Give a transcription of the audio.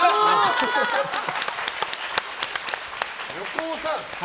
横尾さん